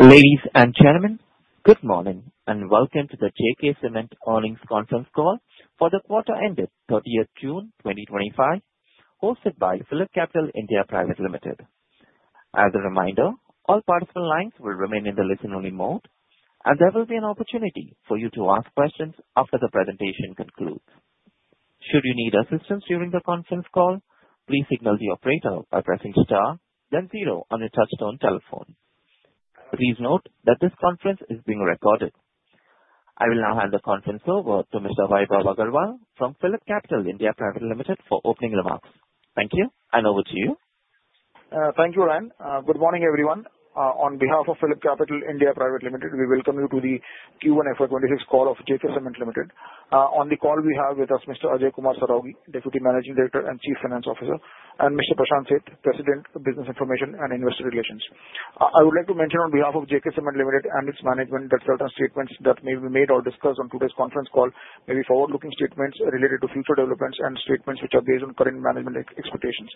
Ladies and gentlemen, good morning and welcome to the J.K. Cement earnings conference call for the quarter-ending 30th of June, 2025, hosted by PhillipCapital (India) Private Limited. As a reminder, all participant lines will remain in the listen-only mode, and there will be an opportunity for you to ask questions after the presentation concludes. Should you need assistance during the conference call, please signal the operator by pressing star, then zero on your touch-tone telephone. Please note that this conference is being recorded. I will now hand the conference over to Mr. Vaibhav Agarwal from PhillipCapital (India) Private Limited for opening remarks. Thank you, and over to you. Thank you, Ryan. Good morning, everyone. On behalf of PhillipCapital (India) Private Limited, we welcome you to the Q1 FY26 call of J.K. Cement Limited. On the call, we have with us Mr. Ajay Kumar Saraogi, Deputy Managing Director and Chief Finance Officer, and Mr. Prashant Seth, President of Business Information and Investor Relations. I would like to mention, on behalf of J.K. Cement Limited and its management, that certain statements that may be made or discussed on today's conference call may be forward-looking statements related to future developments and statements which are based on current management expectations.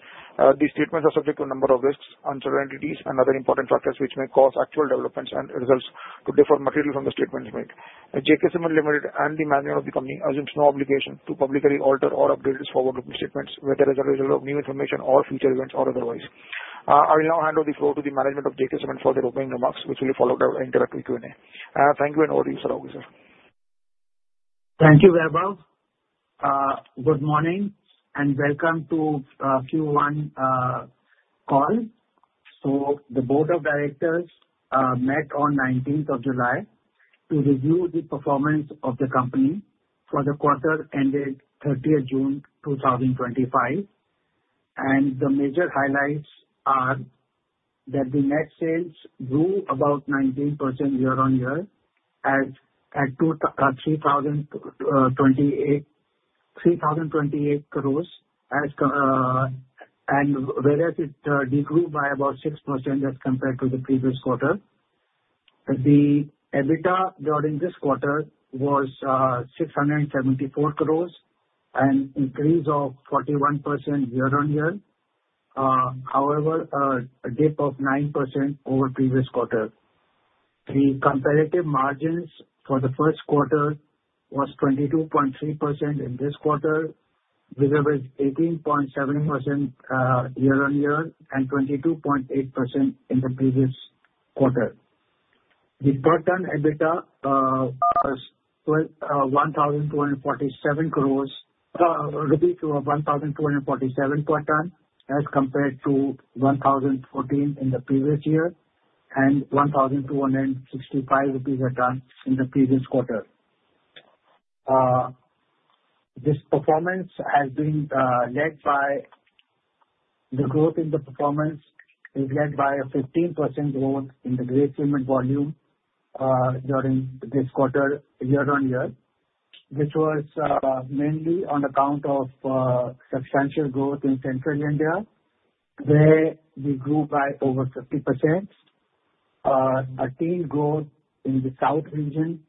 These statements are subject to a number of risks, uncertainties, and other important factors which may cause actual developments and results to differ materially from the statements made. J.K. Cement Limited and the management of the company assumes no obligation to publicly alter or update its forward-looking statements whether as a result of new information or future events or otherwise. I will now hand over the floor to the management of J.K. Cement for their opening remarks, which will be followed by an interactive Q&A. Thank you, and over to you, Saraogi, sir. Thank you, Vaibhav. Good morning and welcome to Q1 call. The Board of Directors met on the 19th of July to review the performance of the company for the quarter-ending 30th of June, 2025. The major highlights are that the net sales grew about 19% year-on-year at 3,028 crores, and whereas it decreased by about 6% as compared to the previous quarter. The EBITDA during this quarter was 674 crores and an increase of 41% year-on-year. However, a dip of 9% over the previous quarter. The comparative margins for the first quarter were 22.3% in this quarter, with 18.7% year-on-year and 22.8% in the previous quarter. The per-ton EBITDA was 1,247 rupees per ton as compared to 1,014 in the previous year and 1,265 rupees a ton in the previous quarter. This performance has been led by a 15% growth in the grey cement volume during this quarter year-on-year, which was mainly on account of substantial growth in Central India, where we grew by over 50%, and the growth in the South region,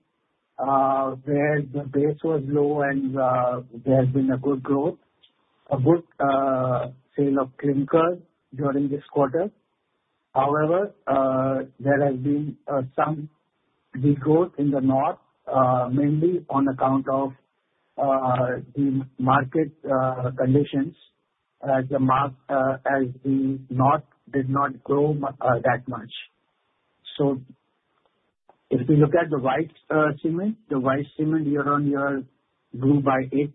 where the base was low and there has been a good growth, a good sale of clinkers during this quarter. However, there has been some growth in the North, mainly on account of the market conditions, as the North did not grow that much. If we look at the White Cement, the White Cement year-on-year grew by 8%.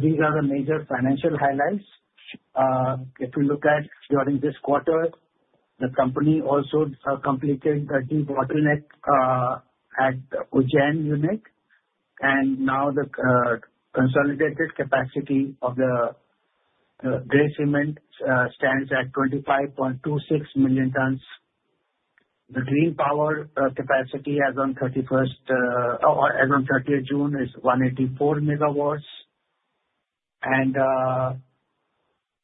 These are the major financial highlights. During this quarter, the company also completed a debottlenecking at Ujjain Unit, and now the consolidated capacity of the grey cement stands at 25.26 million tons. The green power capacity as of 31st or as of 30th of June is 184 MW.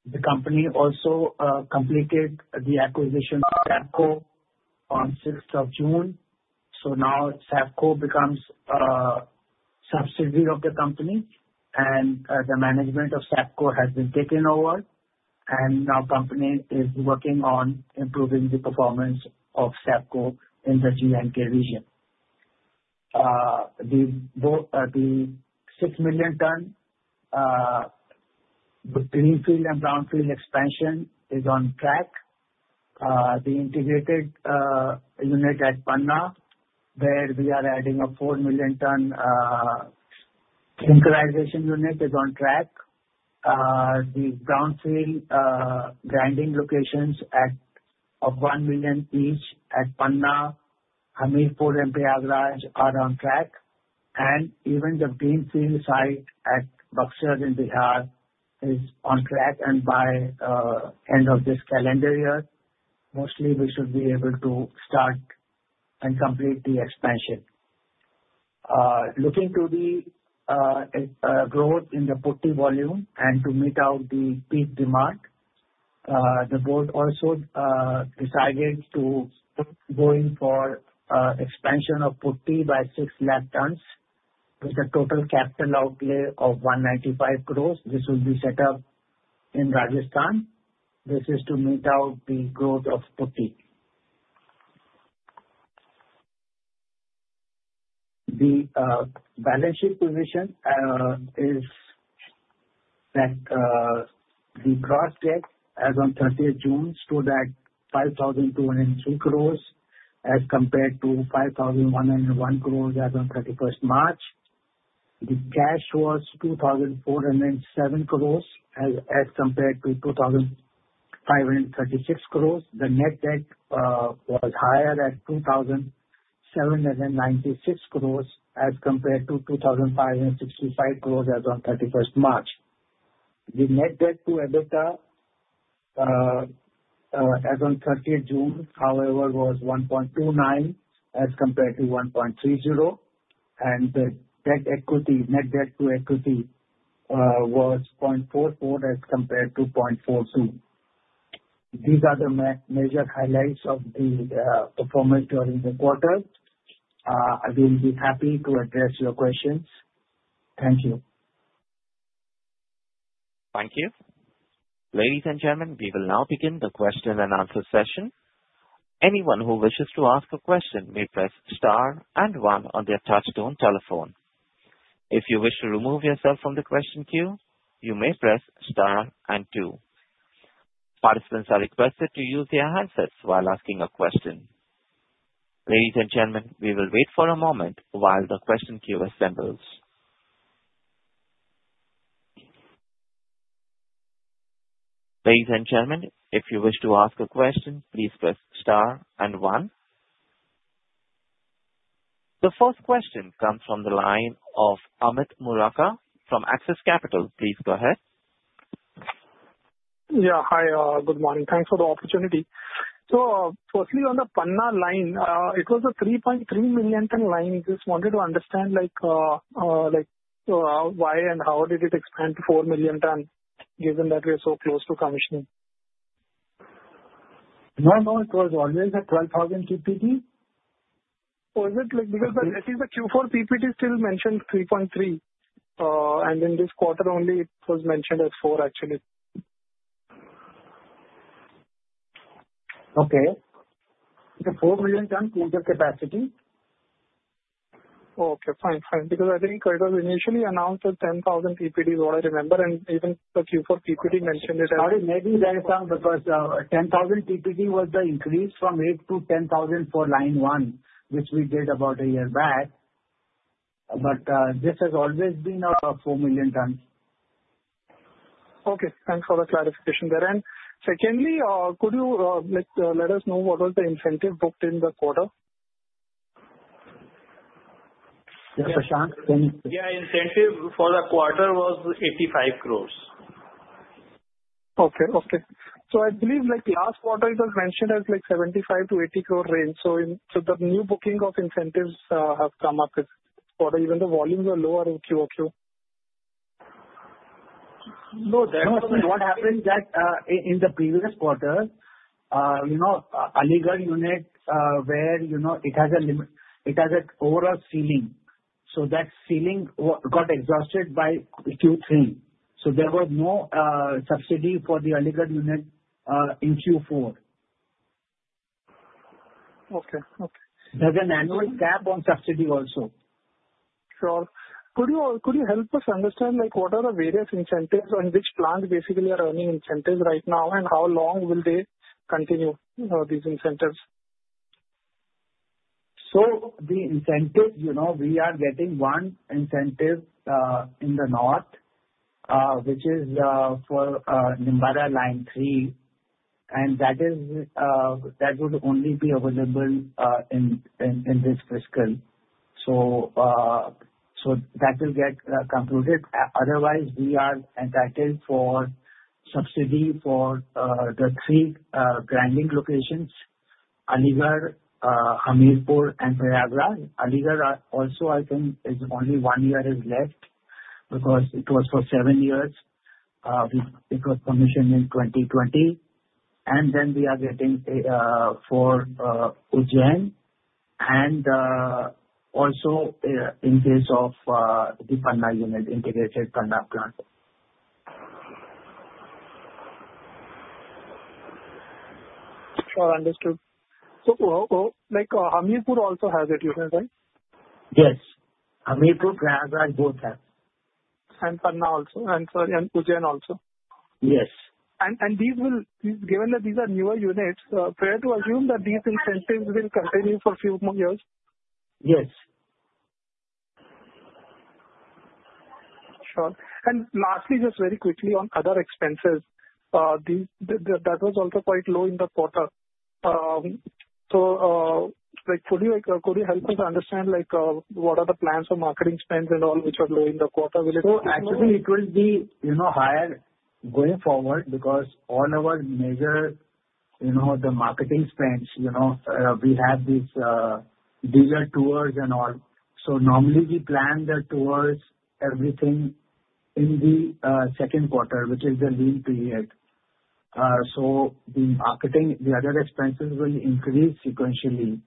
The company also completed the acquisition of Saifco on the 6th of June. So now Saifco becomes a subsidiary of the company, and the management of Saifco has been taken over. Now the company is working on improving the performance of Saifco in the Jammu and Kashmir region. The 6 million-ton greenfield and brownfield expansion is on track. The integrated unit at Panna, where we are adding a 4 million-ton clinkerization unit, is on track. The brownfield grinding locations of one million each at Panna, Hamirpur and Prayagraj are on track. Even the greenfield site at Buxar in Bihar is on track. By the end of this calendar year, mostly we should be able to start and complete the expansion. Looking to the growth in the putty volume and to meet the peak demand, the board also decided to go in for expansion of putty by 6 lakh tons with a total capital outlay of 195 crores. This will be set up in Rajasthan. This is to meet the growth of putty. The balance sheet position is that the gross debt as of 30th of June stood at 5,203 crores as compared to 5,101 crores as of 31st March. The cash was 2,407 crores as compared to 2,536 crores. The net debt was higher at 2,796 crores as compared to 2,565 crores as of 31st March. The net debt to EBITDA as of 30th of June, however, was 1.29 as compared to 1.30, and the net debt to equity was 0.44 as compared to 0.42. These are the major highlights of the performance during the quarter. I will be happy to address your questions. Thank you. Thank you. Ladies and gentlemen, we will now begin the question and answer session. Anyone who wishes to ask a question may press star and one on their touch-tone telephone. If you wish to remove yourself from the question queue, you may press star and two. Participants are requested to use their handsets while asking a question. Ladies and gentlemen, we will wait for a moment while the question queue assembles. Ladies and gentlemen, if you wish to ask a question, please press star and one. The first question comes from the line of Amit Murarka from Axis Capital. Please go ahead. Yeah, hi. Good morning. Thanks for the opportunity. So firstly, on the Panna line, it was a 3.3 million-ton line. I just wanted to understand why and how did it expand to 4 million tons given that we are so close to commissioning. No, no. It was always at 12,000 TPD. Was it? Because I think the Q4 PPT still mentioned 3.3, and in this quarter only it was mentioned as 4, actually. Okay. The 4 million ton clinker capacity. Okay. Fine. Fine. Because I think it was initially announced as 10,000 TPD, what I remember, and even the Q4 PPT mentioned it. Sorry, maybe that is because 10,000 TPD was the increase from 8,000-10,000 for line one, which we did about a year back. But this has always been 4 million tons. Okay. Thanks for the clarification there. And secondly, could you let us know what was the incentive booked in the quarter? Yeah, Prashant? Yeah. Incentive for the quarter was 850 million. Okay. So I believe last quarter it was mentioned as 75-80 crore range. So the new booking of incentives have come up this quarter, even though volumes are lower in Q1. No, that was what happened that in the previous quarter, Aligarh unit, where it has an overall ceiling. So that ceiling got exhausted by Q3. So there was no subsidy for the Aligarh unit in Q4. Okay. Okay. There's an annual cap on subsidy also. Sure. Could you help us understand what are the various incentives on which plants basically are earning incentives right now, and how long will they continue, these incentives? So the incentive, we are getting one incentive in the North, which is for Nimbahera line three, and that would only be available in this fiscal. So that will get concluded. Otherwise, we are entitled for subsidy for the three grinding locations, Aligarh, Hamirpur, and Prayagraj. Aligarh also, I think, is only one year left because it was for seven years. It was commissioned in 2020. And then we are getting for Ujjain, and also in case of the Panna unit, integrated Panna plant. Sure. Understood. So Hamirpur also has it, isn't it? Yes. Hamirpur, Prayagraj both have. And Panna also, and Ujjain also. Yes. Given that these are newer units, fair to assume that these incentives will continue for a few more years? Yes. Sure. And lastly, just very quickly on other expenses, that was also quite low in the quarter. So could you help us understand what are the plans for marketing spends and all which are low in the quarter? So, actually, it will be higher going forward because all our major marketing spends, we have these dealer tours and all. So, normally, we plan the tours, everything in the second quarter, which is the lean period. So, the marketing, the other expenses will increase sequentially.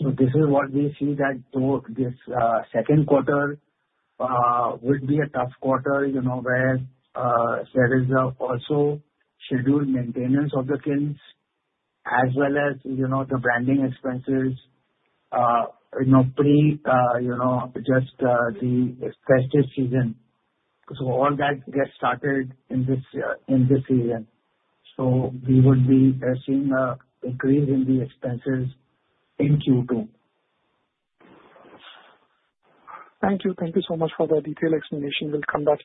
So, this is what we see that this second quarter would be a tough quarter where there is also scheduled maintenance of the kilns as well as the branding expenses pre just the festive season. So, all that gets started in this season. So, we would be seeing an increase in the expenses in Q2. Thank you. Thank you so much for the detailed explanation. We'll come back.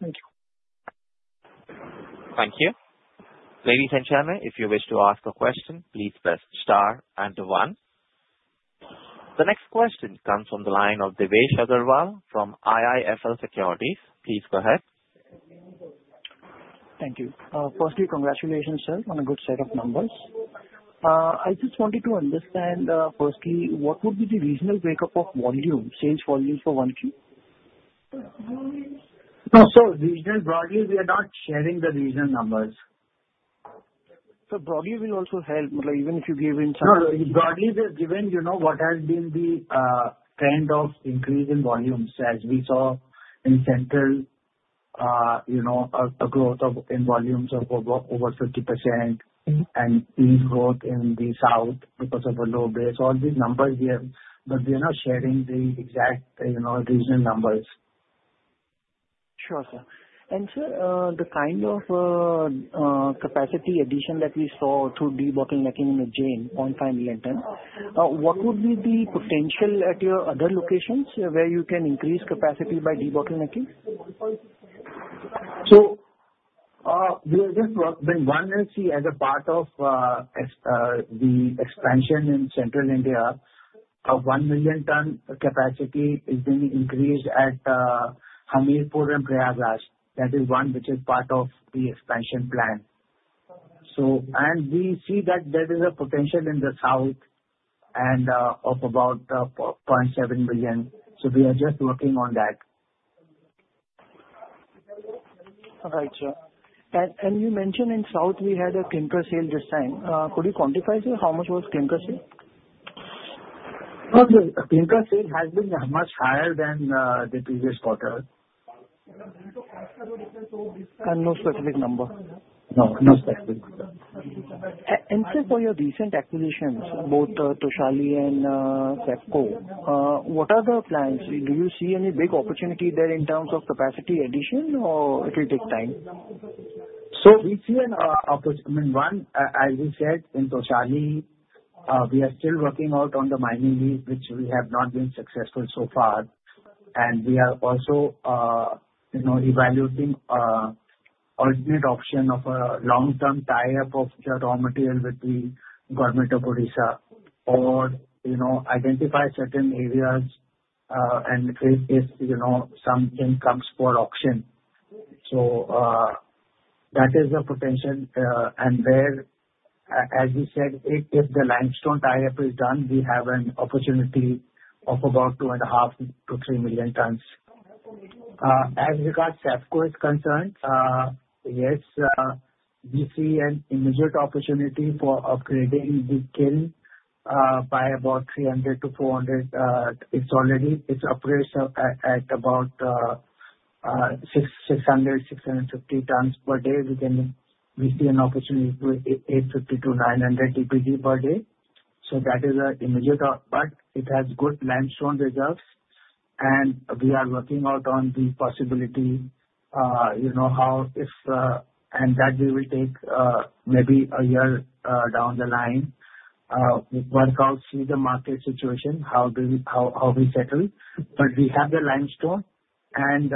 Thank you. Thank you. Ladies and gentlemen, if you wish to ask a question, please press star and one. The next question comes from the line of Devesh Agarwal from IIFL Securities. Please go ahead. Thank you. Firstly, congratulations, sir, on a good set of numbers. I just wanted to understand, firstly, what would be the regional breakup of volume, sales volume for 1Q? No, sir, regional broadly, we are not sharing the regional numbers. So broadly, we also held, even if you gave in some. No, broadly, we have given what has been the trend of increase in volumes as we saw in Central, a growth in volumes of over 50% and growth in the South because of a low base. All these numbers we have, but we are not sharing the exact regional numbers. Sure, sir. And sir, the kind of capacity addition that we saw through debottlenecking in Ujjain, 1.5 million tons, what would be the potential at your other locations where you can increase capacity by debottlenecking? As a part of the expansion in Central India, a one million-ton capacity is being increased at Hamirpur and Prayagraj. That is one which is part of the expansion plan. We see that there is a potential in the South of about 0.7 million. We are just working on that. All right, sir. And you mentioned in South, we had a Clinker sale this time. Could you quantify how much was Clinker sale? Clinker sale has been much higher than the previous quarter. No specific number? No, no specific number. Sir, for your recent acquisitions, both Toshali and Saifco, what are the plans? Do you see any big opportunity there in terms of capacity addition, or it will take time? So we see an opportunity. I mean, one, as we said, in Toshali, we are still working out on the mining lease, which we have not been successful so far. And we are also evaluating an alternate option of a long-term tie-up of the raw material with the government of Odisha or identify certain areas and if something comes for auction. So that is the potential. And there, as we said, if the limestone tie-up is done, we have an opportunity of about 2.5-3 million tons. As regards Saifco is concerned, yes, we see an immediate opportunity for upgrading the kiln by about 300-400. It operates at about 600-650 tons per day. We see an opportunity to 850-900 TPD per day. So that is an immediate opportunity. But it has good limestone reserves, and we are working out on the possibility how if and that we will take maybe a year down the line, work out through the market situation, how we settle. But we have the limestone and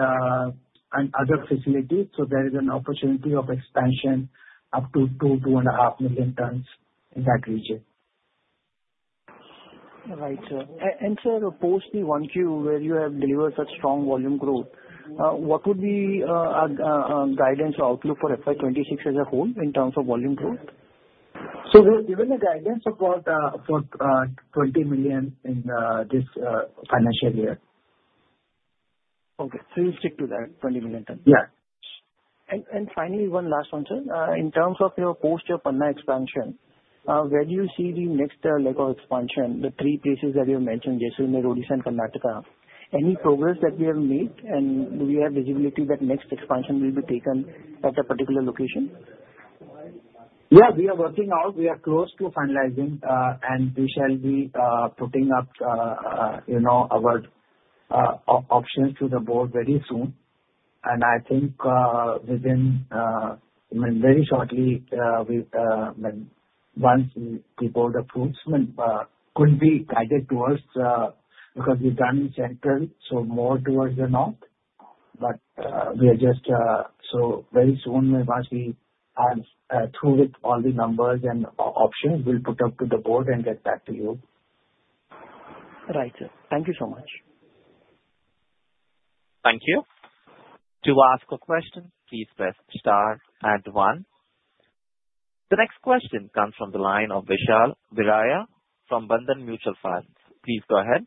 other facilities, so there is an opportunity of expansion up to 2-2.5 million tons in that region. All right, sir. And sir, post the Q1 where you have delivered such strong volume growth, what would be a guidance outlook for FY26 as a whole in terms of volume growth? We're given a guidance of about 20 million in this financial year. Okay. So you'll stick to that, 20 million tons? Yeah. And finally, one last one, sir. In terms of your post Panna expansion, where do you see the next leg of expansion, the three places that you mentioned, Jaisalmer, Odisha, and Karnataka? Any progress that we have made, and do we have visibility that next expansion will be taken at a particular location? Yeah, we are working out. We are close to finalizing, and we shall be putting up our options to the board very soon. And I think within very shortly, once we board approve could be guided towards because we've done Central, so more towards the North. But we are just so very soon, once we are through with all the numbers and options, we'll put up to the board and get back to you. All right, sir. Thank you so much. Thank you. To ask a question, please press star and one. The next question comes from the line of Vishal Biraia from Bandhan Mutual Fund. Please go ahead.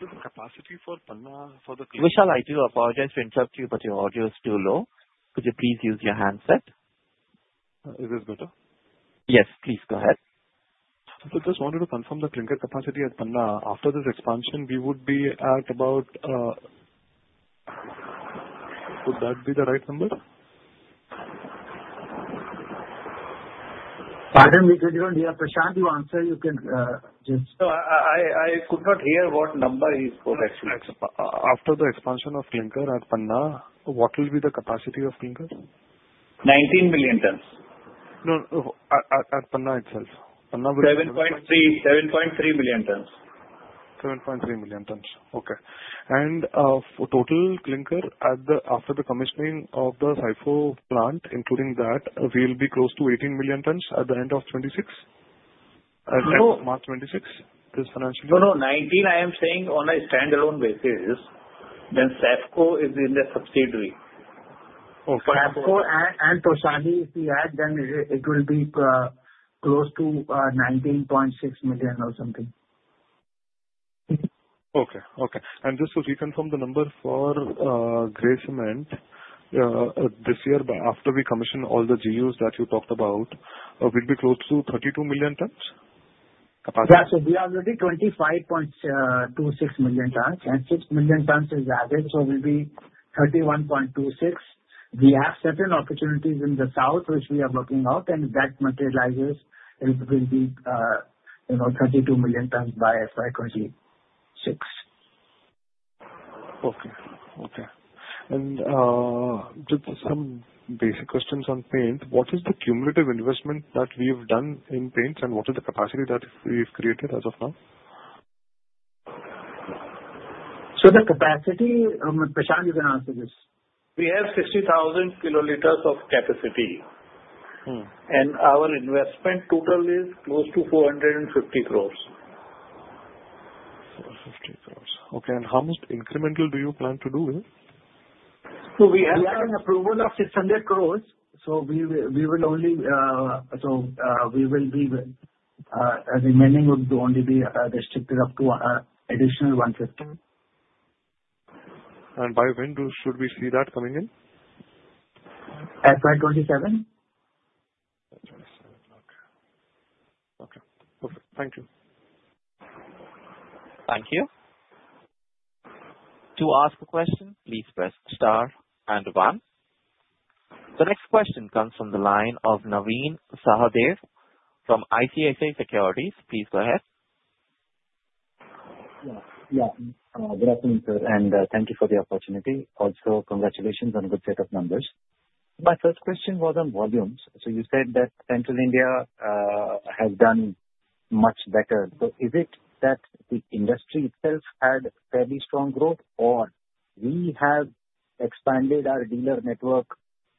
Vishal, I do apologize to interrupt you, but your audio is too low. Could you please use your handset? Is this better? Yes, please go ahead. So just wanted to confirm the clinker capacity at Panna. After this expansion, we would be at about would that be the right number? Pardon, Prashant, you answer. You can just. So I could not hear what number he spoke, actually. After the expansion of clinker at Panna, what will be the capacity of clinker? 19 million tons. No, at Panna itself. Panna will be. 7.3 million tons. 7.3 million tons. Okay. And total clinker after the commissioning of the Saifco plant, including that, we will be close to 18 million tons at the end of 2026? At March 2026, this financial year? No, no. 19, I am saying on a standalone basis. Then Saifco is in the subsidiary. Saifco and Toshali, if we add, then it will be close to 19.6 million or something. And just to reconfirm the number for grey cement, this year, after we commission all the GUs that you talked about, we'd be close to 32 million tons capacity? Yeah. So we are already 25.26 million tons, and six million tons is average, so we'll be 31.26. We have certain opportunities in the South, which we are working out, and if that materializes, it will be 32 million tons by FY26. Okay. Okay. Just some basic questions on paint. What is the cumulative investment that we have done in paints, and what is the capacity that we've created as of now? So the capacity, Prashant, you can answer this. We have 60,000 kiloliters of capacity, and our investment total is close to 450 crores. 450 crores. Okay. And how much incremental do you plan to do with? We have an approval of 600 crores, so the remaining would only be restricted up to additional 150. By when should we see that coming in? FY27. Okay. Okay. Perfect. Thank you. Thank you. To ask a question, please press star and one. The next question comes from the line of Navin Sahadeo from ICICI Securities. Please go ahead. Yeah. Good afternoon, sir, and thank you for the opportunity. Also, congratulations on a good set of numbers. My first question was on volumes. So you said that Central India has done much better. So is it that the industry itself had fairly strong growth, or we have expanded our dealer network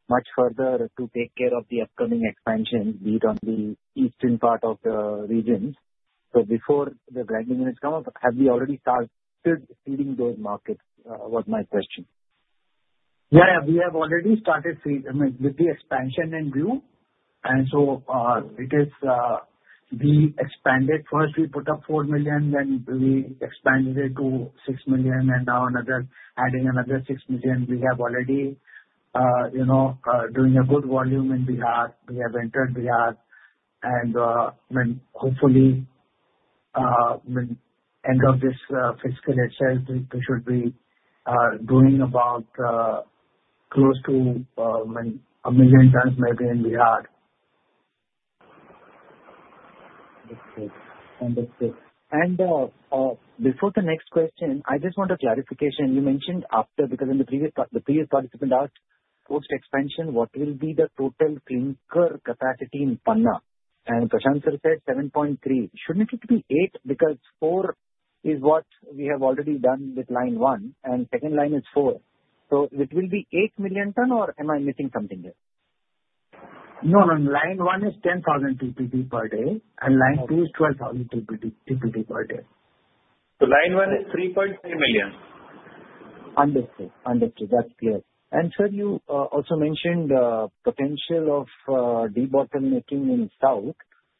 much further to take care of the upcoming expansion beyond the eastern part of the region? So before the grinding units come up, have we already started feeding those markets? What's my question? Yeah. We have already started feeding with the expansion in Bihar. And so it is we expanded. First, we put up four million, then we expanded it to six million, and now adding another six million. We have already doing a good volume in Bihar. We have entered Bihar, and hopefully, end of this fiscal exercise, we should be doing about close to a million tons maybe in Bihar. Understood. Understood. And before the next question, I just want a clarification. You mentioned after because in the previous participant asked post expansion, what will be the total clinker capacity in Panna? And Prashant sir said 7.3. Shouldn't it be eight because four is what we have already done with line 1, and second line is four? So it will be eight million ton, or am I missing something there? No, no. Line 1 is 10,000 TPD per day, and line 2 is 12,000 TPD per day. Line 1 is 3.3 million. Understood. Understood. That's clear. And sir, you also mentioned the potential of debottlenecking in South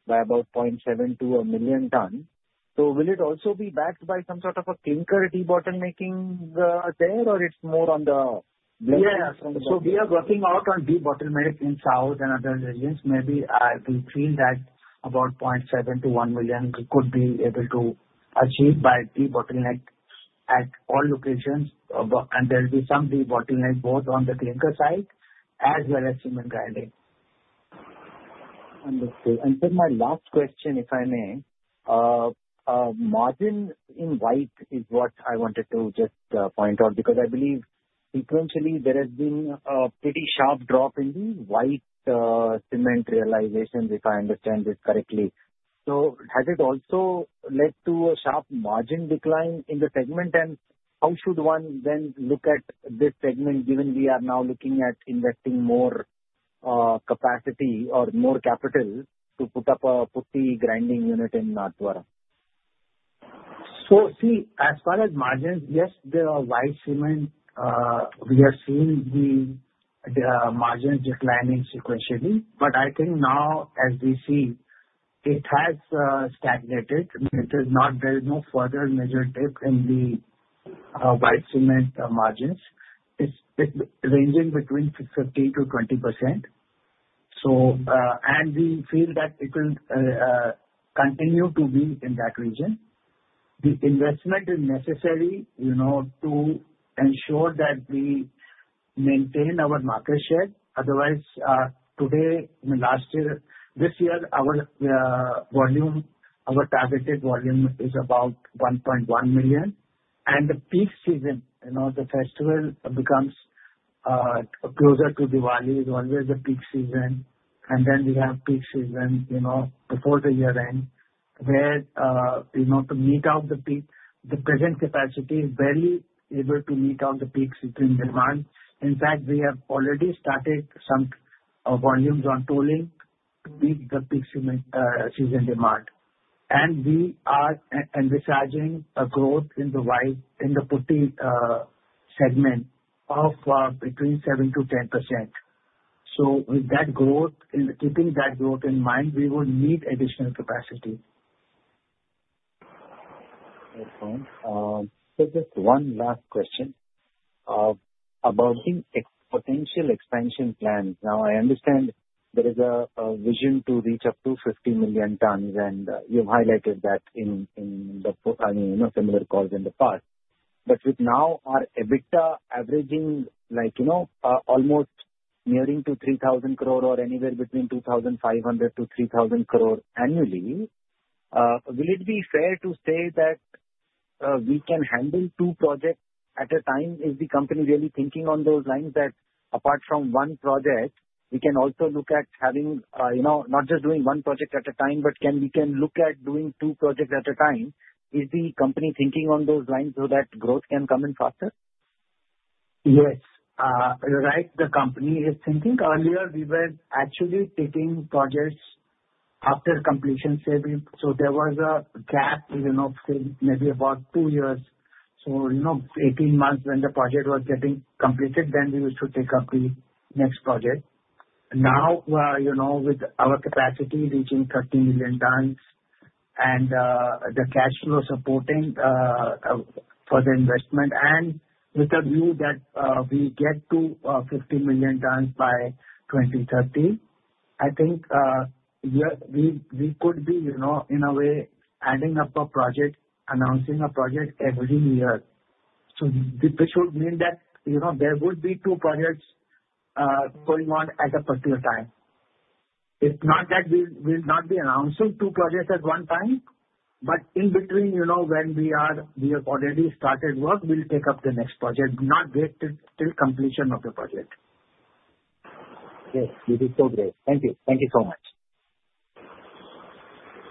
by about 0.7 to 1 million ton. So will it also be backed by some sort of a clinker debottlenecking there, or it's more on the blessing from the government? Yeah. So we are working out on debottlenecking in South and other regions. Maybe we feel that about 0.7-1 million could be able to achieve by debottlenecking at all locations, and there will be some debottlenecking both on the clinker side as well as cement grinding. Understood, and sir, my last question, if I may, margin in white is what I wanted to just point out because I believe sequentially there has been a pretty sharp drop in the white cement realization, if I understand this correctly, so has it also led to a sharp margin decline in the segment, and how should one then look at this segment given we are now looking at investing more capacity or more capital to put up a putty grinding unit in Nathdwara? So see, as far as margins, yes, the white cement, we have seen the margins declining sequentially, but I think now, as we see, it has stagnated. There is no further measured dip in the white cement margins. It's ranging between 15%-20%. And we feel that it will continue to be in that region. The investment is necessary to ensure that we maintain our market share. Otherwise, today, last year, this year, our targeted volume is about 1.1 million. The peak season, the festival becomes closer to Diwali, is always the peak season. Then we have peak season before the year-end where to meet out the peak. The present capacity is barely able to meet out the peak season demand. In fact, we have already started some volumes on tolling to meet the peak season demand. We are envisaging a growth in the putty segment of between 7% to 10%. With that growth, keeping that growth in mind, we will need additional capacity. Excellent. So just one last question about potential expansion plans. Now, I understand there is a vision to reach up to 50 million tons, and you've highlighted that in similar calls in the past. But with now our EBITDA averaging almost nearing to 3,000 crore or anywhere between 2,500-3,000 crore annually, will it be fair to say that we can handle two projects at a time? Is the company really thinking on those lines that apart from one project, we can also look at having not just doing one project at a time, but can we look at doing two projects at a time? Is the company thinking on those lines so that growth can come in faster? Yes. Right, the company is thinking. Earlier, we were actually taking projects after completion. So there was a gap maybe about two years. So 18 months when the project was getting completed, then we used to take up the next project. Now, with our capacity reaching 30 million tons and the cash flow supporting for the investment, and with a view that we get to 50 million tons by 2030, I think we could be, in a way, adding up a project, announcing a project every year. So this would mean that there would be two projects going on at a particular time. It's not that we will not be announcing two projects at one time, but in between, when we have already started work, we'll take up the next project, not wait till completion of the project. Yes. This is so great. Thank you. Thank you so much.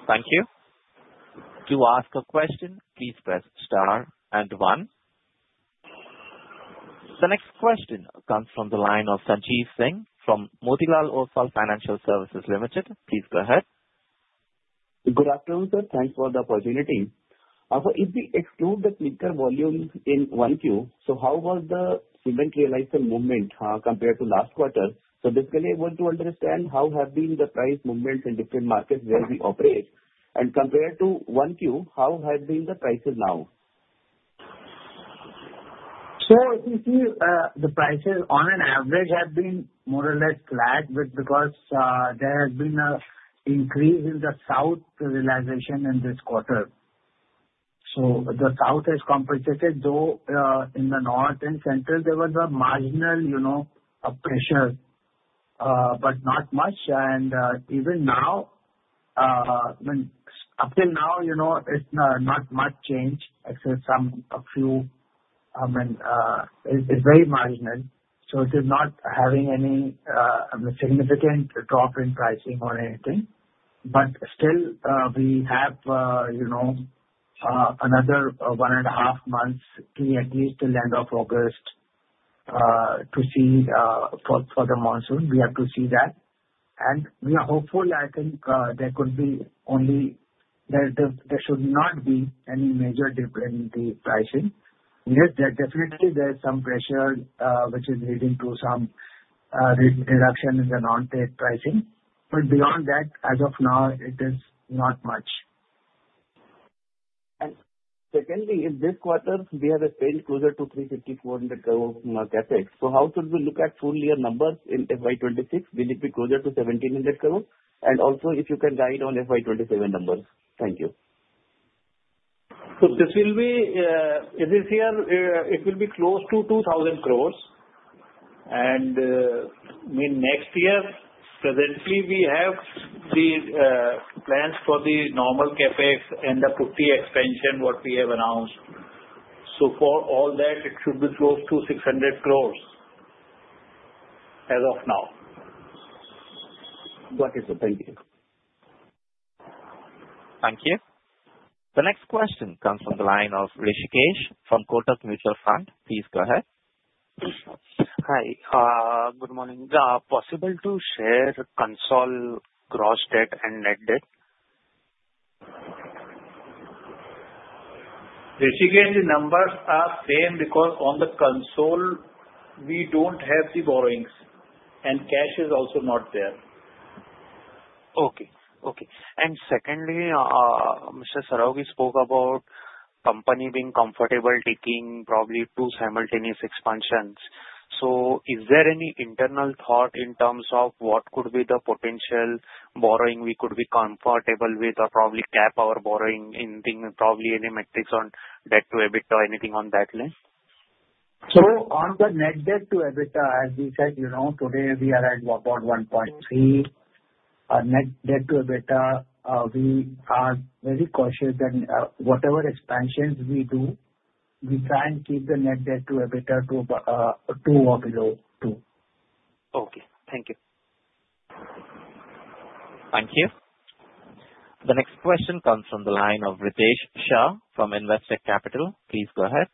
Thank you. To ask a question, please press star and one. The next question comes from the line of Sanjeev Singh from Motilal Oswal Financial Services Limited. Please go ahead. Good afternoon, sir. Thanks for the opportunity. If we exclude the clinker volume in 1Q, so how was the cement realization movement compared to last quarter? So basically, I want to understand how have been the price movements in different markets where we operate. And compared to 1Q, how have been the prices now? So you see, the prices on an average have been more or less flat because there has been an increase in the South realization in this quarter. So the South has compensated, though in the North and Central, there was a marginal pressure, but not much. And even now, up till now, it's not much changed, except a few, it's very marginal. So it is not having any significant drop in pricing or anything. But still, we have another one and a half months to at least till end of August to see for the monsoon. We have to see that. And we are hopeful, I think there could be only there should not be any major dip in the pricing. Yes, definitely, there is some pressure which is leading to some reduction in the non-trade pricing. But beyond that, as of now, it is not much. And secondly, in this quarter, we have a spend closer to 350-400 crore market. So how should we look at full year numbers in FY26? Will it be closer to 1,700 crore? And also, if you can guide on FY27 numbers. Thank you. So this will be this year, it will be close to 2,000 crores. And I mean, next year, presently, we have the plans for the normal CapEx and the putty expansion what we have announced. So for all that, it should be close to 600 crores as of now. Got it, sir. Thank you. Thank you. The next question comes from the line of Rishikesh from Kotak Mutual Fund. Please go ahead. Hi. Good morning. Possible to share consolidated gross debt and net debt? Rishikesh, the numbers are same because on the console, we don't have the borrowings, and cash is also not there. Okay. Okay. And secondly, Mr. Saraogi spoke about the company being comfortable taking probably two simultaneous expansions. So is there any internal thought in terms of what could be the potential borrowing we could be comfortable with or probably cap our borrowing in terms, probably any metrics on debt to EBITDA, anything on that line? So on the net debt to EBITDA, as we said, today we are at about 1.3. Net debt to EBITDA, we are very cautious that whatever expansions we do, we try and keep the net debt to EBITDA to or below 2. Okay. Thank you. Thank you. The next question comes from the line of Ritesh Shah from Investec Capital. Please go ahead.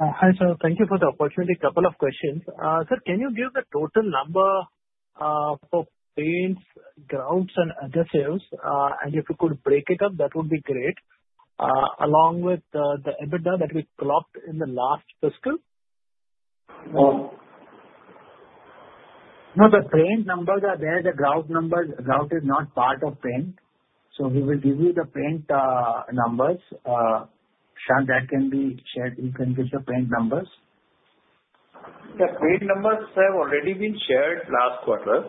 Hi, sir. Thank you for the opportunity. Couple of questions. Sir, can you give the total number for paints, grouts, and adhesives? And if you could break it up, that would be great, along with the EBITDA that we clocked in the last fiscal? No, the paint numbers are there. The grout numbers, grout is not part of paint. So we will give you the paint numbers. Shan, that can be shared. You can give the paint numbers. The paint numbers have already been shared last quarter.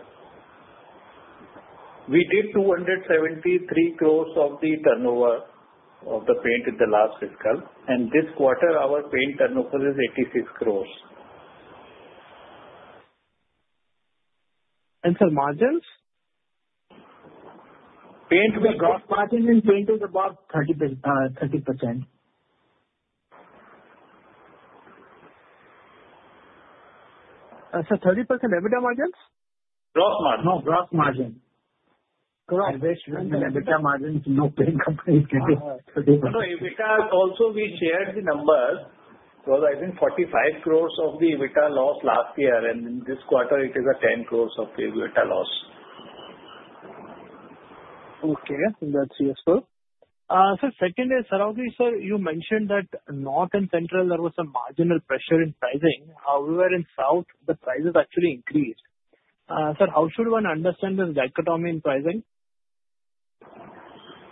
We did 273 crores of the turnover of the paint in the last fiscal. And this quarter, our paint turnover is 86 crores. And, sir, margins? Paint is about. Gross margin in paint is about 30%. Sir, 30% EBITDA margins? Gross margin. No, gross margin. Gross. Investment in EBITDA margins, no paint company. No, EBITDA also, we shared the numbers. So I think 45 crores of the EBITDA loss last year. And this quarter, it is 10 crores of the EBITDA loss. Okay. That's useful. Sir, secondly, Saraogi sir, you mentioned that North and Central, there was a marginal pressure in pricing. However, in South, the prices actually increased. Sir, how should one understand this dichotomy in pricing?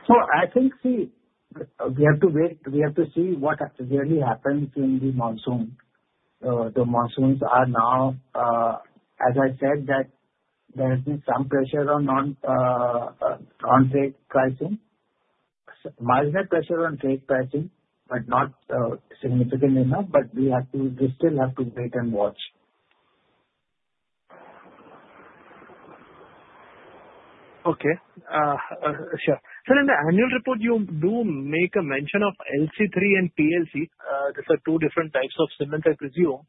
So I think, see, we have to wait. We have to see what really happens in the monsoon. The monsoons are now, as I said, that there has been some pressure on non-trade pricing, marginal pressure on trade pricing, but not significant enough. But we still have to wait and watch. Okay. Sure. Sir, in the annual report, you do make a mention of LC3 and PLC. These are two different types of cement, I presume.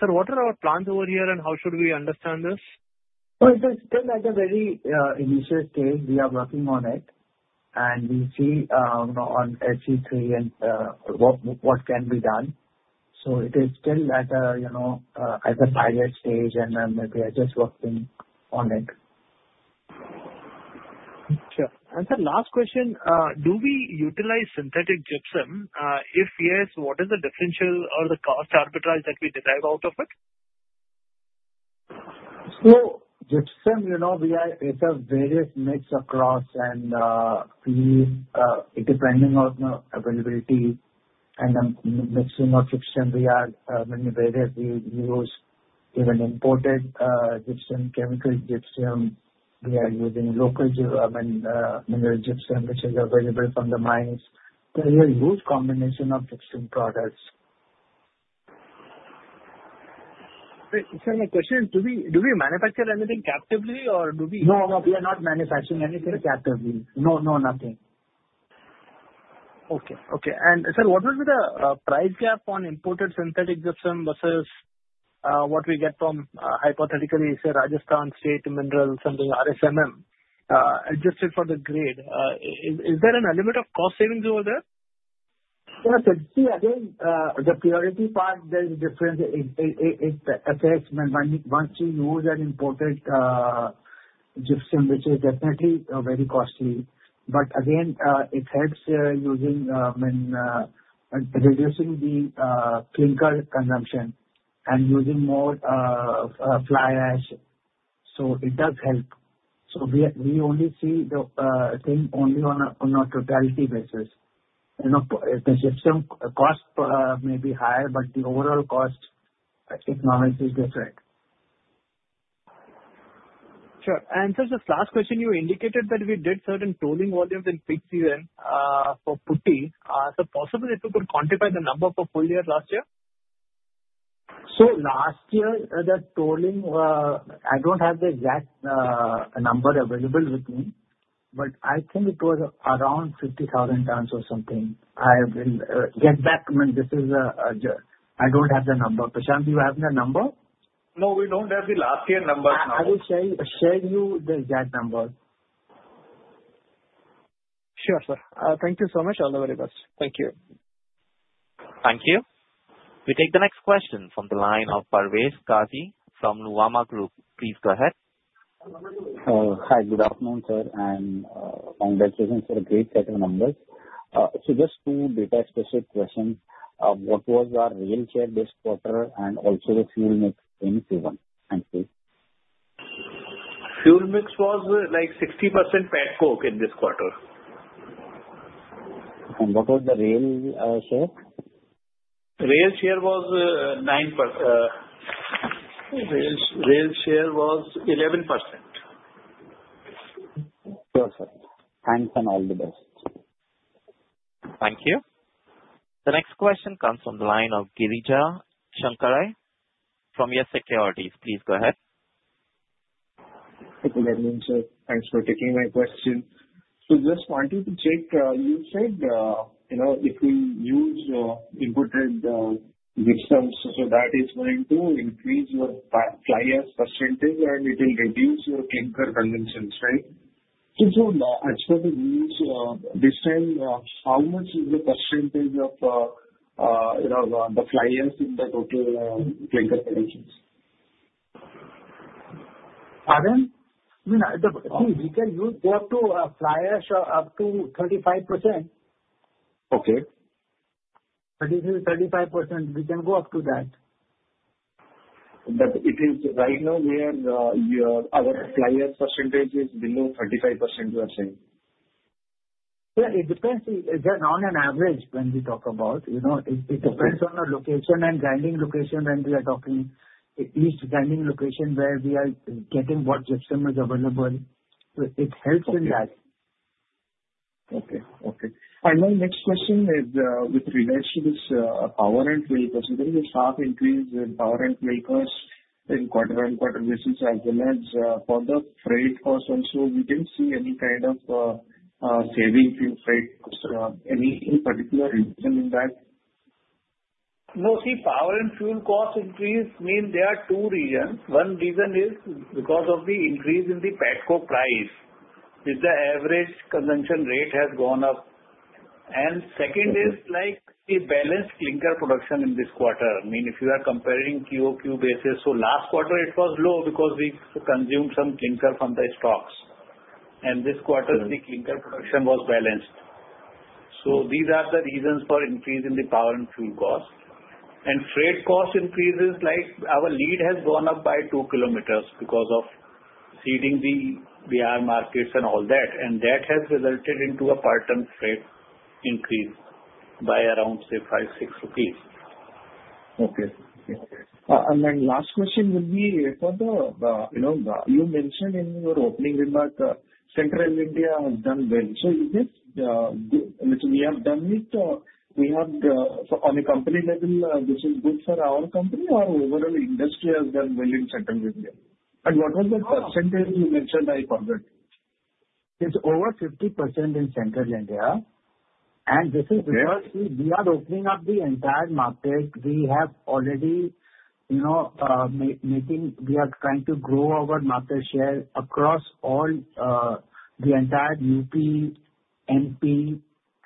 Sir, what are our plans over here, and how should we understand this? Well, it is still at a very initial stage. We are working on it. And we see on LC3 and what can be done. So it is still at a pilot stage, and then we are just working on it. Sure. And sir, last question. Do we utilize synthetic gypsum? If yes, what is the differential or the cost arbitrage that we derive out of it? So, gypsum, we have various mix across. And depending on availability and mixing of gypsum, we use many various. Even imported gypsum, chemical gypsum, we are using local mineral gypsum, which is available from the mines. So we use a combination of different products. Sir, my question is, do we manufacture anything captively, or do we? No, no. We are not manufacturing anything captively. No, no, nothing. Okay. And sir, what was the price gap on imported synthetic gypsum versus what we get from hypothetically, say, Rajasthan State Mines and Minerals, something RSMM, adjusted for the grade? Is there an element of cost savings over there? Yes. See, again, the purity part, there is a difference. It affects when once you use an imported gypsum, which is definitely very costly. But again, it helps reducing the clinker consumption and using more fly ash. So it does help. So we only see the thing only on a totality basis. The gypsum cost may be higher, but the overall cost economics is different. Sure. And sir, just last question. You indicated that we did certain tolling volumes in peak season for putty as a possible if you could quantify the number for full year last year? Last year, the tolling, I don't have the exact number available with me, but I think it was around 50,000 tons or something. I will get back. I don't have the number. Prashant, do you have the number? No, we don't have the last year numbers now. I will share you the exact number. Sure, sir. Thank you so much. All the very best. Thank you. Thank you. We take the next question from the line of Parvez Qazi from Nuvama Group. Please go ahead. Hi. Good afternoon, sir. Congratulations for a great set of numbers. Just two data-specific questions. What was our white share this quarter and also the fuel mix this season? Thank you. Fuel mix was like 60% petcoke in this quarter. What was the rail share? Rail share was 11%. Perfect. Thanks and all the best. Thank you. The next question comes from the line of Girija Shankar Ray from YES Securities. Please go ahead. Good evening, sir. Thanks for taking my question. So just wanted to check. You said if we use imported gypsum, so that is going to increase your fly ash percentage, and it will reduce your clinker consumption, right? So actually, this time, how much is the percentage of the fly ash in the total clinker consumption? I mean, see, we can go up to fly ash up to 35%. But this is 35%. We can go up to that. But it is right now where our fly ash % is below 35%, you are saying? Yeah. It depends. It's on an average when we talk about. It depends on the location and grinding location when we are talking. It means grinding location where we are getting what gypsum is available. So it helps in that. Okay. And my next question is with relation to power and fuel. There is a sharp increase in power and fuel costs in quarter-on-quarter basis as well as for the freight cost. And so we didn't see any kind of saving in freight cost. Any particular reason in that? No, see, power and fuel cost increase means there are two reasons. One reason is because of the increase in the petcoke price, which the average consumption rate has gone up. And second is the balanced clinker production in this quarter. I mean, if you are comparing QOQ basis, so last quarter, it was low because we consumed some clinker from the stocks. And this quarter, the clinker production was balanced. So these are the reasons for increase in the power and fuel cost. And freight cost increases like our lead has gone up by two kilometers because of seeding the Bihar markets and all that. And that has resulted into a per tonne freight increase by around, say, 5-6. Okay. And then the last question would be for the. You mentioned in your opening remark, Central India has done well. So is this good? So we have done it. On a company level, this is good for our company or overall industry has done well in Central India? And what was the percentage you mentioned? I forgot. It's over 50% in Central India. This is because we are opening up the entire market. We are trying to grow our market share across the entire UP, MP,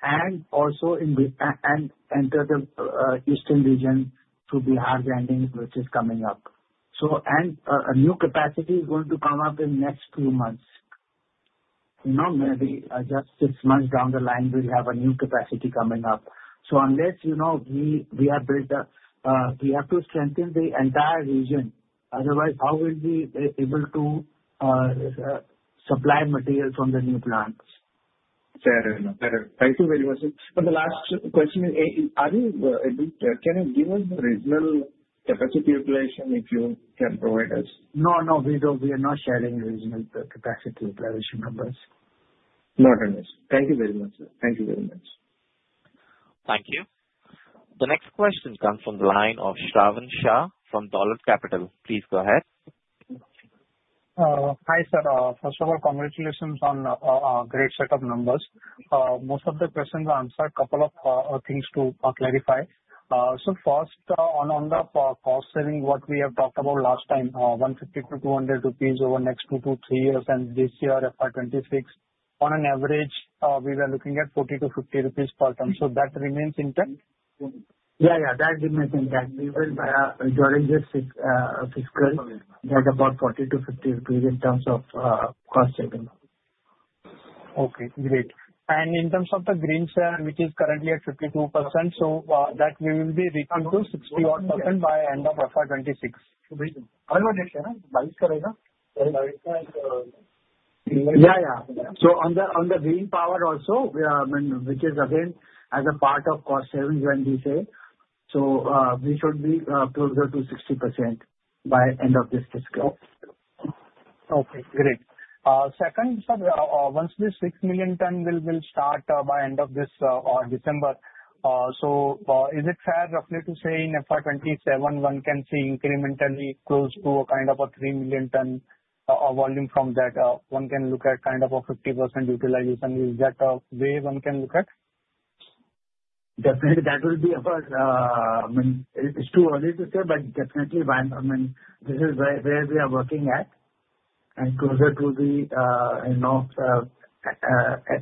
and also enter the Eastern region through Bihar grinding, which is coming up. A new capacity is going to come up in the next few months. Maybe just six months down the line, we'll have a new capacity coming up. Unless we have to strengthen the entire region. Otherwise, how will we be able to supply materials from the new plants? Fair enough. Fair enough. Thank you very much. But the last question is, can you give us the regional capacity operation if you can provide us? No, no. We are not sharing regional capacity operation numbers. Not on this. Thank you very much, sir. Thank you very much. Thank you. The next question comes from the line of Shravan Shah from Dolat Capital. Please go ahead. Hi, sir. First of all, congratulations on a great set of numbers. Most of the questions are answered. A couple of things to clarify. So first, on the cost saving, what we have talked about last time, 150-200 rupees over the next two to three years, and this year, FY26, on an average, we were looking at 40-50 rupees per ton. So that remains intact? Yeah, yeah. That remains intact. We will be enjoying this fiscal at about 40-50 rupees in terms of cost saving. Okay. Great. And in terms of the green share, which is currently at 52%, so that we will be reaching to 60-odd% by end of FY26. Yeah, yeah. So on the Green Power also, which is again as a part of cost savings when we say, so we should be closer to 60% by end of this fiscal. Okay. Great. Second, sir, once this 6 million ton will start by end of this December, so is it fair roughly to say in FY27, one can see incrementally close to a kind of a 3 million ton volume from that? One can look at kind of a 50% utilization. Is that a way one can look at? Definitely. That will be, it's too early to say, but definitely, this is where we are working at, and closer to the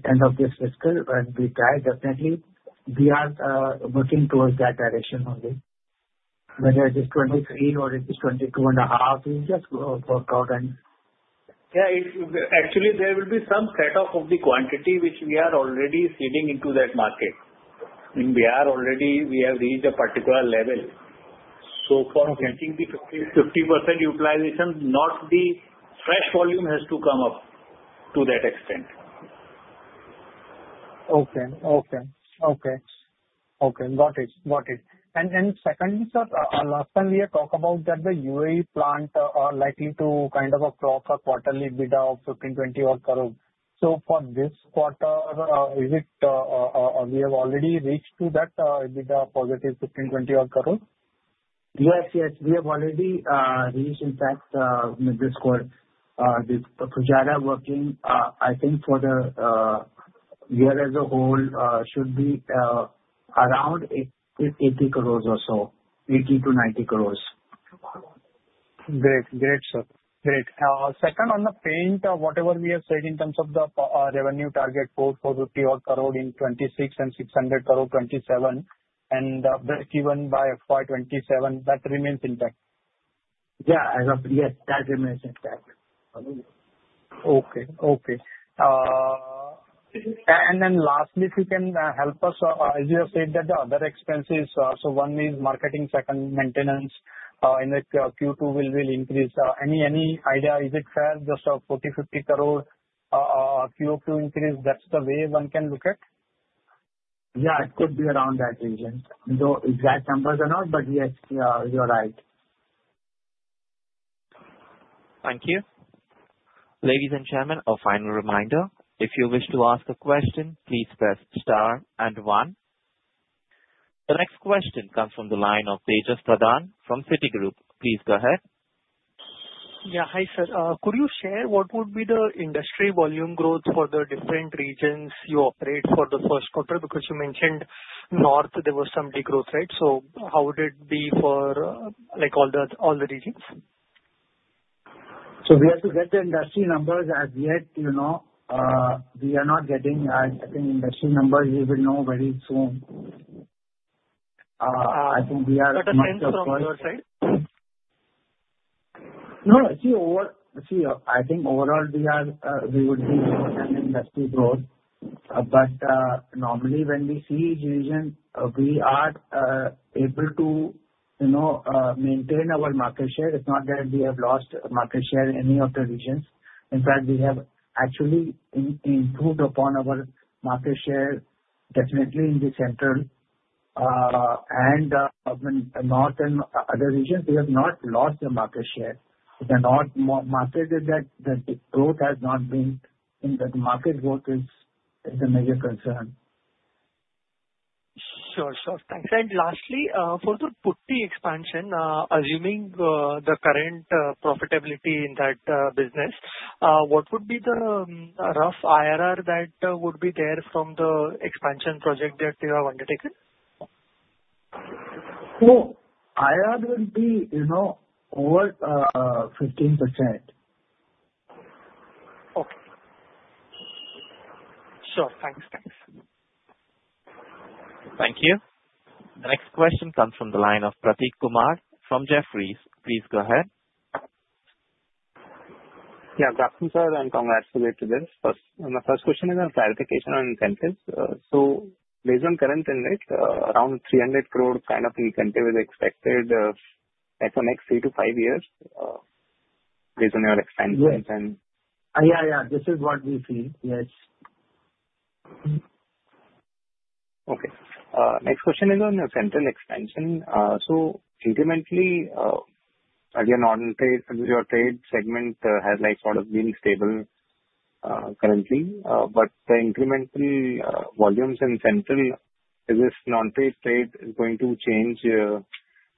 end of this fiscal, and we try, definitely. We are working towards that direction only. Whether it is 23 or it is 22.5, we'll just work out and. Yeah. Actually, there will be some setup of the quantity, which we are already seeding into that market. In Bihar, already we have reached a particular level. So for reaching the 50% utilization, now the fresh volume has to come up to that extent. Got it. Then secondly, sir, last time we had talked about that the UAE plant is likely to kind of clock a quarterly EBITDA of 15-20 odd crore. So for this quarter, is it we have already reached to that EBITDA of positive 15-20 odd crore? Yes, yes. We have already reached, in fact, this quarter. The Fujairah working, I think for the year as a whole, should be around 80 crores or so, 80-90 crores. Great. Great, sir. Great. Second, on the paints, whatever we have said in terms of the revenue target INR 44-odd crore in FY26 and 600 crore FY27, and break even by FY27, that remains intact? Yeah. Yes, that remains intact. Okay. And then lastly, if you can help us, as you have said that the other expenses, so one is marketing, second maintenance, and Q2 will increase. Any idea? Is it fair just a 40-50 crore QOQ increase? That's the way one can look at? Yeah. It could be around that region. No exact numbers are not, but yes, you're right. Thank you. Ladies and gentlemen, a final reminder. If you wish to ask a question, please press star and one. The next question comes from the line of Tejas Pradhan from Citigroup. Please go ahead. Yeah. Hi, sir. Could you share what would be the industry volume growth for the different regions you operate for the first quarter? Because you mentioned North, there was some degrowth, right? So how would it be for all the regions? So we have to get the industry numbers as yet. We are not getting, I think, industry numbers. We will know very soon. I think we are on. But in terms from your side? No. See, I think overall, we would be over 10% industry growth. But normally, when we see each region, we are able to maintain our market share. It's not that we have lost market share in any of the regions. In fact, we have actually improved upon our market share, definitely in the Central and North and other regions. We have not lost the market share. The North market is that the growth has not been in that the market growth is the major concern. Sure. Sure. Thanks. And lastly, for the putty expansion, assuming the current profitability in that business, what would be the rough IRR that would be there from the expansion project that you have undertaken? IRR will be over 15%. Okay. Sure. Thanks. Thanks. Thank you. The next question comes from the line of Prateek Kumar from Jefferies. Please go ahead. Yeah. Good afternoon, sir, and congratulations to this. My first question is on clarification on incentives. So based on current index, around 300 crore kind of incentive is expected for the next three to five years based on your expansion plan. Yeah. Yeah. This is what we see. Yes. Okay. Next question is on your Central expansion. So incrementally, again, your Trade segment has sort of been stable currently. But the incremental volumes in Central, is this non-trade trade going to change,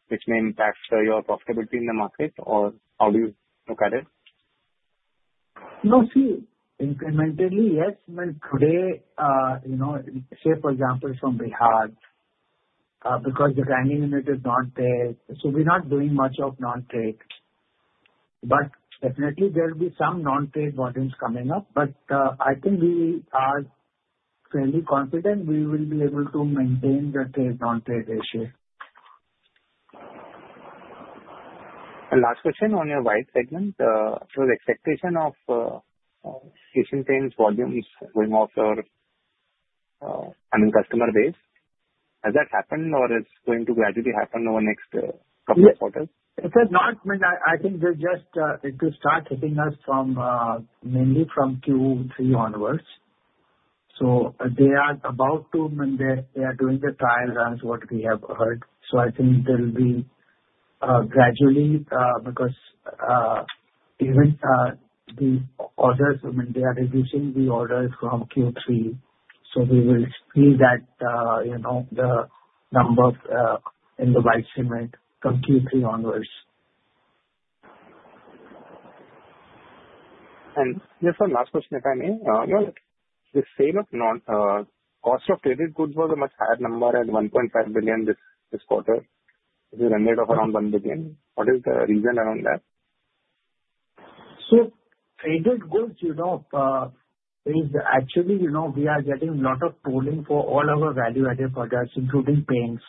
which may impact your profitability in the market, or how do you look at it? No, see, incrementally, yes. Today, say, for example, from Bihar, because the grinding unit is not there, so we're not doing much of non-trade. But definitely, there will be some non-trade volumes coming up. But I think we are fairly confident we will be able to maintain the trade-non-trade ratio. Last question on your white segment. So the expectation of finishes and paint volumes going after your, I mean, customer base, has that happened or is going to gradually happen over the next couple of quarters? It has not. I think they just start hitting us mainly from Q3 onwards. So they are about to, I mean, they are doing the trial runs what we have heard. So I think they'll be gradually because even the orders, I mean, they are reducing the orders from Q3. So we will see that the number in the white segment from Q3 onwards. Just one last question, if I may. The cost of sales of traded goods was a much higher number at 1.5 billion this quarter. It has ended up around 1 billion. What is the reason around that? So traded goods, actually, we are getting a lot of pulling for all our value-added products, including paints.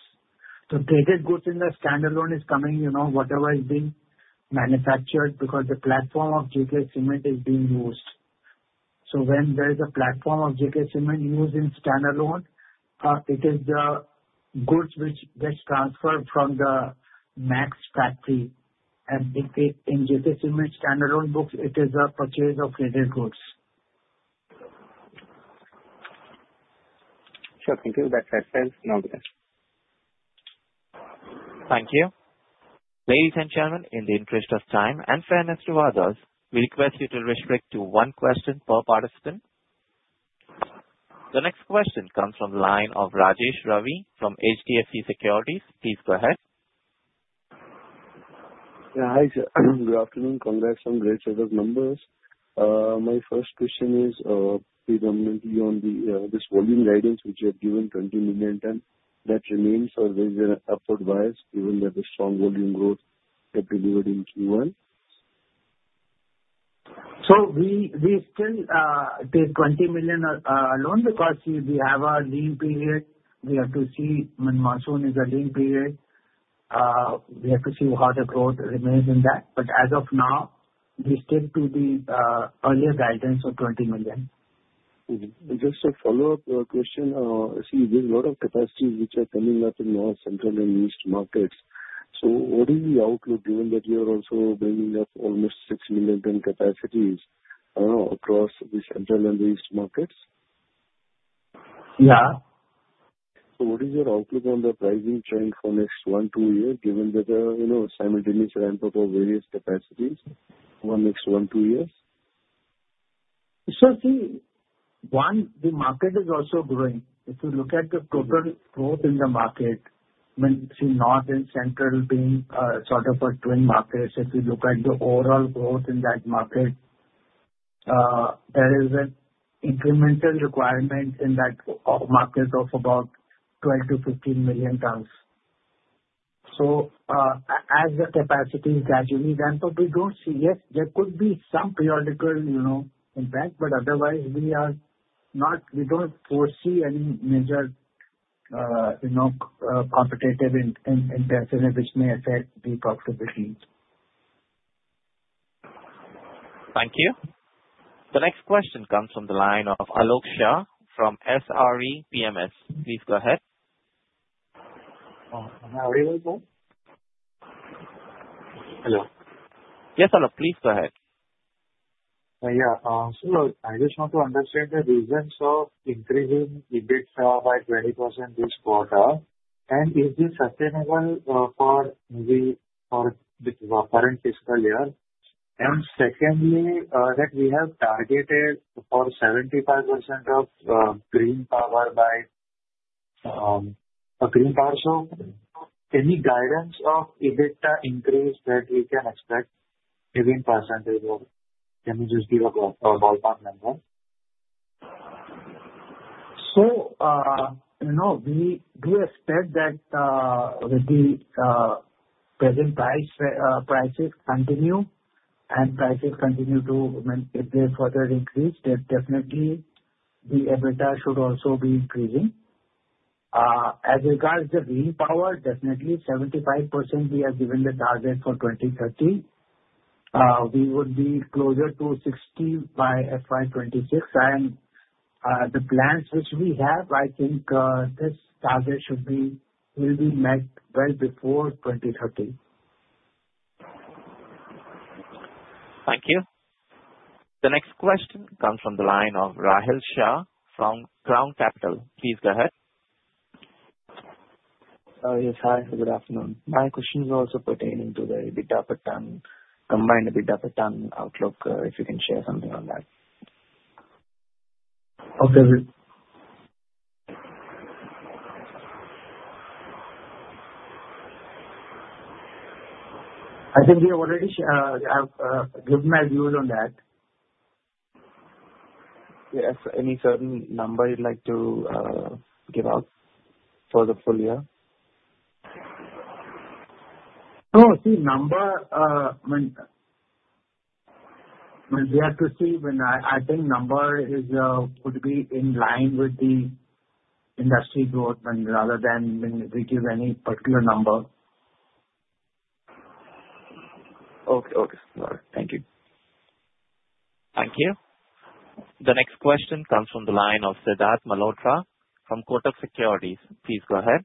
The traded goods in the standalone is coming, whatever is being manufactured because the platform of J.K. Cement is being used. So when there is a platform of J.K. Cement used in standalone, it is the goods which gets transferred from the Maxx factory. And in J.K. Cement standalone books, it is a purchase of traded goods. Sure. Thank you. That sets us now there. Thank you. Ladies and gentlemen, in the interest of time and fairness to others, we request you to restrict to one question per participant. The next question comes from the line of Rajesh Ravi from HDFC Securities. Please go ahead. Yeah. Hi, sir. Good afternoon. Congrats on great set of numbers. My first question is predominantly on this volume guidance which you have given, 20 million tons. That remains or there is an upward bias given that the strong volume growth kept delivered in Q1? So we still take 20 million alone because we have our lean period. We have to see when monsoon is a lean period, we have to see how the growth remains in that. But as of now, we stick to the earlier guidance of 20 million. Just a follow-up question. See, there's a lot of capacities which are coming up in our Central and East markets. What is the outlook given that you are also bringing up almost 6 million ton capacities across the Central and the East markets? Yeah. So what is your outlook on the pricing trend for next one, two years given that there are simultaneous ramp-up of various capacities over the next one, two years? So, see, one, the market is also growing. If you look at the total growth in the market, I mean, see North and Central being sort of a twin market. If you look at the overall growth in that market, there is an incremental requirement in that market of about 12-15 million tons. So as the capacity gradually ramp up, we don't see. Yes, there could be some periodical impact, but otherwise, we don't foresee any major competitive intensity which may affect the profitability. Thank you. The next question comes from the line of Alok Shah from SRE PMS. Please go ahead. Am I available? Hello? Yes, Alok. Please go ahead. So I just want to understand the reasons of increasing the green power by 20% this quarter. And is this sustainable for the current fiscal year? And secondly, that we have targeted for 75% of green power by green power share. Any guidance of EBITDA increase that we can expect within percentage of? Can you just give a ballpark number? So we expect that with the present prices continue and prices continue to, I mean, if they further increase, then definitely the EBITDA should also be increasing. As regards the green power, definitely 75% we have given the target for 2030. We would be closer to 60 by FY26. And the plans which we have, I think this target will be met well before 2030. Thank you. The next question comes from the line of Rahil Shah from Crown Capital. Please go ahead. Yes. Hi. Good afternoon. My question is also pertaining to the EBITDA per ton, combined EBITDA per ton outlook. If you can share something on that. Okay. I think we already have given my views on that. Yes. Any certain number you'd like to give out for the full year? No. See, I mean, we have to see when I think number would be in line with the industry growth, I mean, rather than we give any particular number. Okay. All right. Thank you. Thank you. The next question comes from the line of Siddharth Malhotra from Kotak Securities. Please go ahead.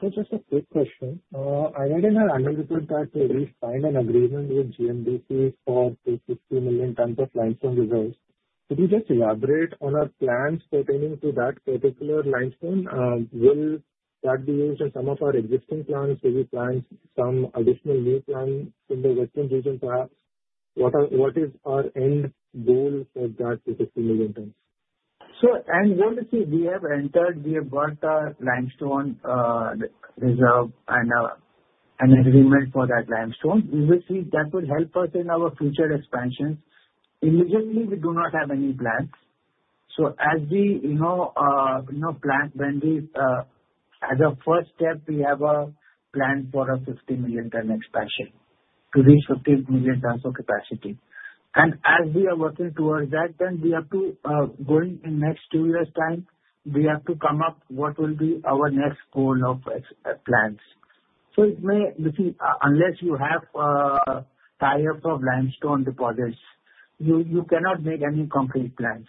Just a quick question. I know in our annual report that we signed an agreement with GMDC for 360 million tons of limestone reserves. Could you just elaborate on our plans pertaining to that particular limestone? Will that be used in some of our existing plans? Will we plan some additional new plans in the western region perhaps? What is our end goal for that 360 million tons? So, and we have entered, we have bought a limestone reserve and an agreement for that limestone. We will see if that will help us in our future expansions. Immediately, we do not have any plans. So, as we plan, when we as a first step, we have a plan for a 50 million ton expansion to reach 50 million tons of capacity. And as we are working towards that, then we have to go in the next two years' time, we have to come up what will be our next goal of plans. So, it may, you see, unless you have a tie-up of limestone deposits, you cannot make any concrete plans.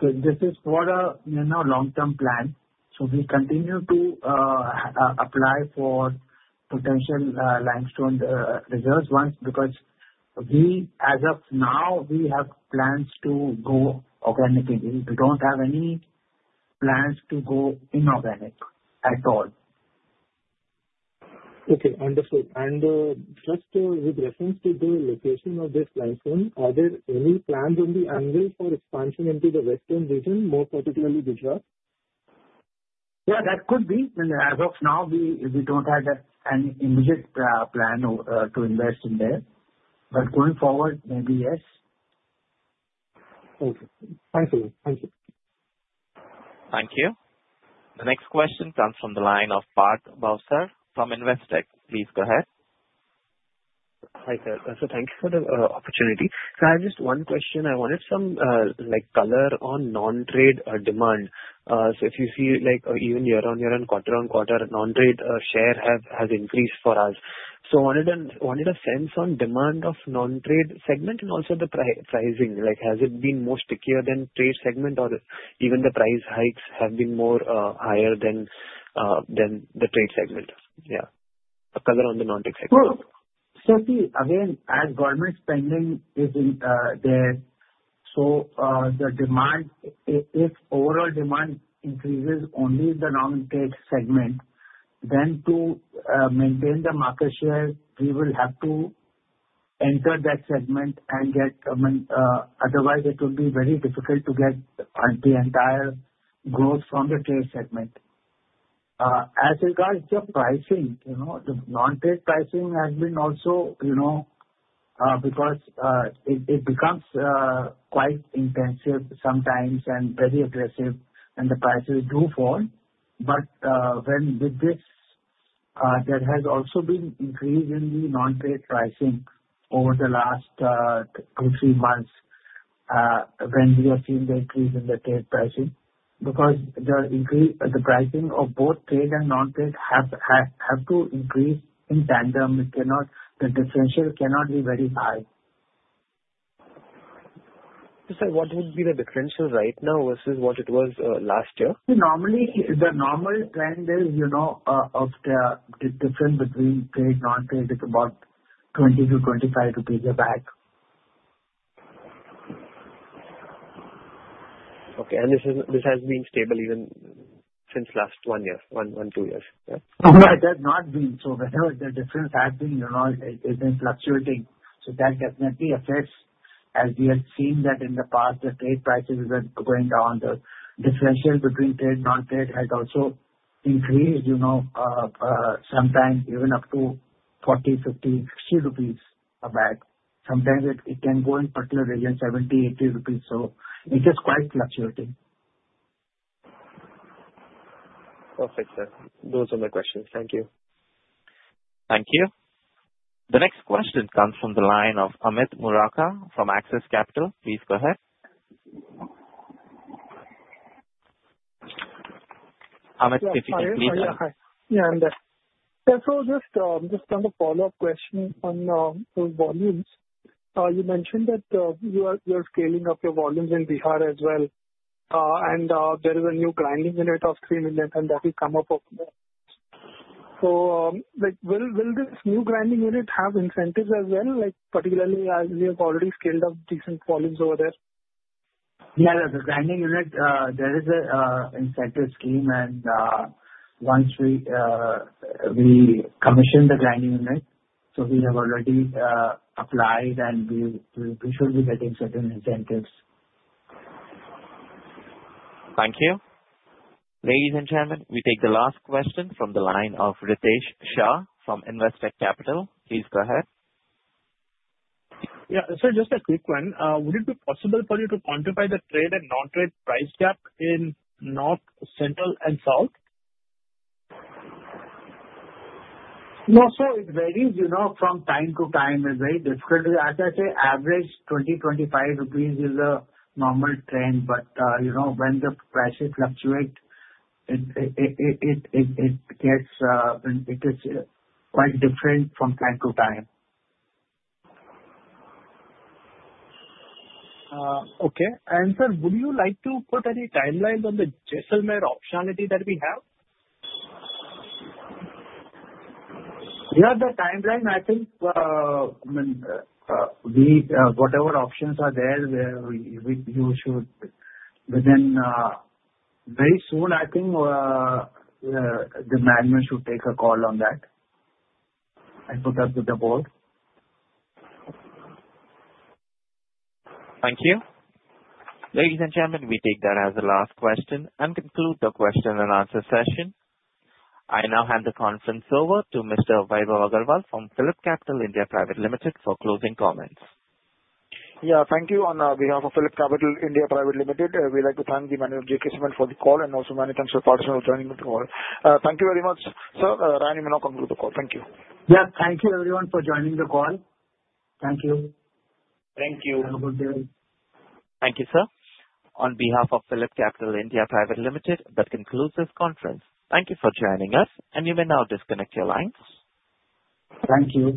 So, this is for a long-term plan. So, we continue to apply for potential limestone reserves once because as of now, we have plans to go organically. We don't have any plans to go inorganic at all. Okay. Understood, and just with reference to the location of this limestone, are there any plans on the anvil for expansion into the western region, more particularly Gujarat? Yeah. That could be. I mean, as of now, we don't have any immediate plan to invest in there. But going forward, maybe yes. Okay. Thank you. Thank you. Thank you. The next question comes from the line of Parth Bhavsar from Investec. Please go ahead. Hi there. So thank you for the opportunity. So I have just one question. I wanted some color on non-trade demand. So if you see even year on year and quarter on quarter, non-trade share has increased for us. So I wanted a sense on demand of non-trade segment and also the pricing. Has it been more stickier than trade segment or even the price hikes have been more higher than the trade segment? Yeah. A color on the non-trade segment. So see, again, as government spending is there, so the demand, if overall demand increases only in the non-trade segment, then to maintain the market share, we will have to enter that segment and get, I mean, otherwise, it will be very difficult to get the entire growth from the trade segment. As regards to pricing, the non-trade pricing has been also because it becomes quite intensive sometimes and very aggressive, and the prices do fall. But with this, there has also been increase in the non-trade pricing over the last two, three months when we have seen the increase in the trade pricing because the pricing of both trade and non-trade have to increase in tandem. The differential cannot be very high. So what would be the differential right now versus what it was last year? Normally, the normal trend is of the difference between trade and non-trade is about INR 20-INR 25 a bag. Okay. And this has been stable ever since last one year, one, two years? No, it has not been. So whenever the difference has been, it has been fluctuating. So that definitely affects as we have seen that in the past, the trade prices were going down. The differential between trade and non-trade has also increased sometimes even up to 40, 50, 60 rupees a bag. Sometimes it can go in particular regions, 70, 80 rupees. So it is quite fluctuating. Perfect, sir. Those are my questions. Thank you. Thank you. The next question comes from the line of Amit Murarka from Axis Capital. Please go ahead. Amit, if you can please. Yeah, I'm there. So just kind of follow-up question on those volumes. You mentioned that you are scaling up your volumes in Bihar as well. And there is a new grinding unit of 3 million, and that will come up over there. So will this new grinding unit have incentives as well, particularly as we have already scaled up decent volumes over there? Yeah. The grinding unit, there is an incentive scheme. And once we commission the grinding unit, so we have already applied, and we should be getting certain incentives. Thank you. Ladies and gentlemen, we take the last question from the line of Ritesh Shah from Investec Capital. Please go ahead. Yeah. So just a quick one. Would it be possible for you to quantify the trade and non-trade price gap in north, central, and south? No. So it varies from time to time. It's very difficult. As I say, average 20-25 rupees is a normal trend. But when the prices fluctuate, it gets quite different from time to time. Okay, and sir, would you like to put any timelines on the Jaisalmer optionality that we have? Yeah. The timeline, I think, I mean, whatever options are there, you should within very soon, I think the management should take a call on that and put that to the board. Thank you. Ladies and gentlemen, we take that as the last question and conclude the question and answer session. I now hand the conference over to Mr. Vaibhav Agarwal from PhillipCapital (India) Private Limited for closing comments. Yeah. Thank you. On behalf of PhillipCapital (India) Private Limited, we'd like to thank the management of J.K. Cement for the call. And also, many thanks for participating in the call. Thank you very much, sir. Vaibhav Agarwal concludes the call. Thank you. Yeah. Thank you, everyone, for joining the call. Thank you. Thank you. Have a good day. Thank you, sir. On behalf of PhillipCapital (India) Private Limited, that concludes this conference. Thank you for joining us. And you may now disconnect your lines. Thank you.